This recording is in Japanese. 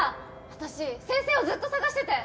私先生をずっと捜してて。